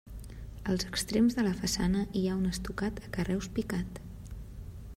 Als extrems de la façana hi ha un estucat a carreus picat.